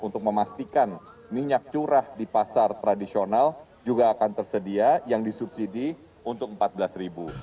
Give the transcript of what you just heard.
untuk memastikan minyak curah di pasar tradisional juga akan tersedia yang disubsidi untuk empat belas